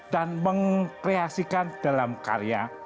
dan mengkreasikan dalam karya